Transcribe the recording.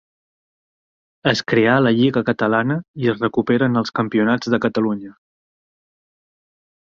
Es creà la Lliga Catalana i es recuperaren els Campionats de Catalunya.